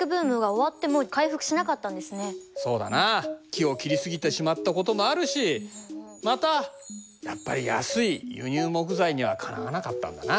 木を切り過ぎてしまったこともあるしまたやっぱり安い輸入木材にはかなわなかったんだな。